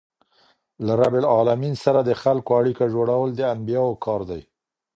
له رب العالمین سره د خلکو اړیکه جوړول د انبياوو کار دئ.